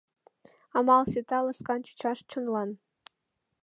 Амал сита ласкан чучаш чонлан: